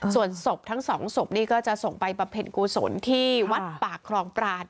ส่วนศพทั้งสองศพนี่ก็จะส่งไปบำเพ็ญกุศลที่วัดปากคลองปราน